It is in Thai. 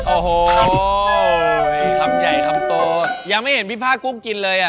โอ้โฮยยยยยคำใหญ่คำโตยังไม่เห็นพี่พราคุกกินเลย